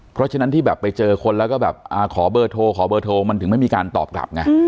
เพราะฉะนั้นที่แบบไปเจอคนแล้วก็แบบขอเบอร์โทรขอเบอร์โทรมันถึงไม่มีการตอบกลับไง